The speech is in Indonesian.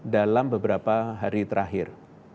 dalam beberapa hari terakhir